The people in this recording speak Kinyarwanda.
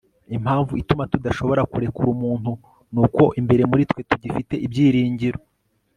impamvu ituma tudashobora kurekura umuntu ni uko imbere muri twe tugifite ibyiringiro